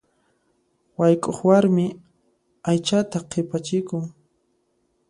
Wayk'uq warmi aychata qhipachikun.